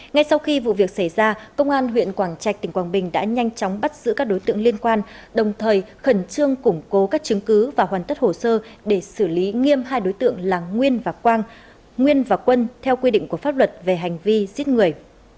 ngay sau khi vụ việc xảy ra công an huyện quảng trạch tỉnh quảng bình đã nhanh chóng bắt giữ các đối tượng liên quan đồng thời khẩn trương củng cố các chứng cứ và hoàn tất hồ sơ để xử lý nghiêm hai đối tượng là nguyên và quang nguyên và quân theo quy định của pháp luật về hành vi giết người